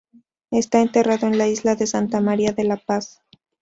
Está enterrado en la iglesia de Santa María de la Paz.